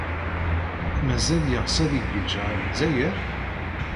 Mazal yeɣs ad igiǧǧ ɣer Lezzayer?